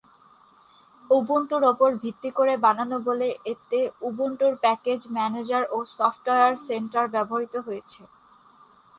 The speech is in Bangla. উবুন্টুর উপর ভিত্তি করে বানানো বলে এতে উবুন্টুর প্যাকেজ ম্যানেজার ও সফটওয়্যার সেন্টার ব্যবহৃত হয়েছে।